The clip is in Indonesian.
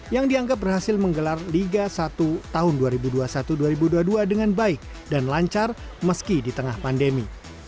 yang dianggap berhasil menggelar liga satu tahun dua ribu dua puluh satu dua ribu dua puluh dua dengan baik dan lancar meski di tengah pandemi